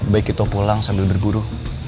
baik itu pulang sambil berguru